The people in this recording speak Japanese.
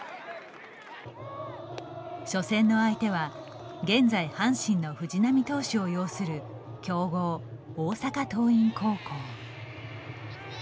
初戦の相手は現在阪神の藤浪投手を擁する強豪大阪桐蔭高校。